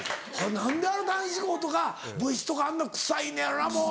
何であの男子校とか部室とかあんな臭いのやろなもう。